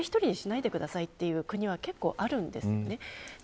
絶対に１人にしないでくださいという国はあるんです。